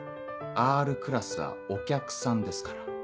Ｒクラスはお客さんですから。